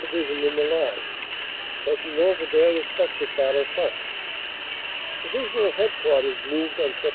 Division in the line, taking over their respec tive battle fronts. Divisional Headquarters moved on Sept.